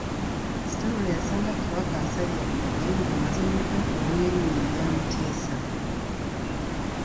Stanley yasanga Kabaka asajjakudde ng'amaze n'okwetuuma erinnya erya Mutesa.